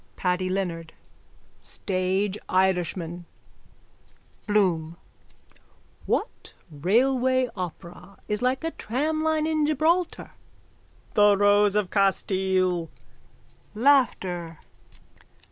PADDY LEONARD: Stage Irishman! BLOOM: What railway opera is like a tramline in Gibraltar? The Rows of Casteele.